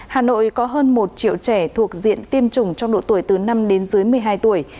hà nội có hơn một triệu trẻ thuộc diện tiêm chủng trong độ tuổi từ năm đến dưới một mươi hai tuổi